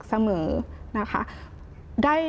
เสมอนะคะ